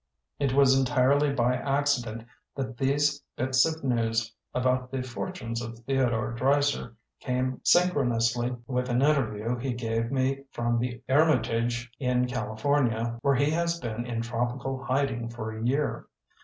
It was entirely by accident that these bits of news about the fortunes of Theodore Dreiser came synchro nously with an interview he gave me from the eremitage in California where he has been in tropical hiding for a year.